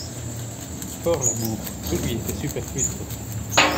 Fors l'amour, tout lui était superflu désormais.